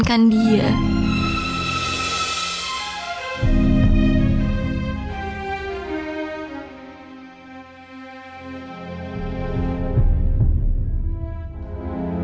aku sangat mencintai aksan